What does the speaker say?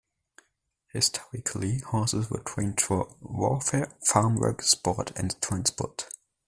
Historically, horses were trained for warfare, farm work, sport and transport.